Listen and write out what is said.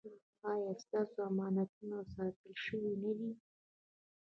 ایا ستاسو امانتونه ساتل شوي نه دي؟